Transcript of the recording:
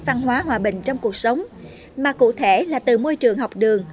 văn hóa hòa bình trong cuộc sống mà cụ thể là từ môi trường học đường